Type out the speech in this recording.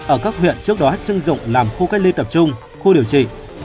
ở các huyện trước đó hết sưng dụng làm khu cách ly tập trung khu điều trị